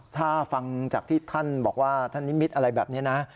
ถ้าฟังจากที่ท่านบอกว่าท่านนิมิตรอะไรแบบนี้นะ